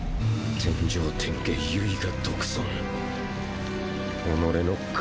天上天下唯我独尊。